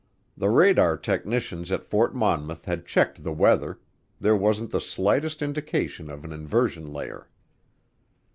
The radar technicians at Fort Monmouth had checked the weather there wasn't the slightest indication of an inversion layer.